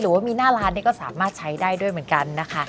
ว่ามีหน้าร้านก็สามารถใช้ได้ด้วยเหมือนกันนะคะ